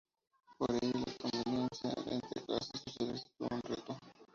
Por ello, la convivencia entre clases sociales es todo un reto.